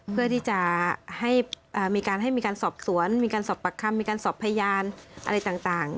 เพื่อที่จะให้มีการให้มีการสอบสวนมีการสอบปากคำมีการสอบพยานอะไรต่าง